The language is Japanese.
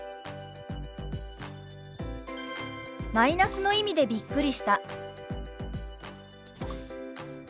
「マイナスの意味でびっくりした」。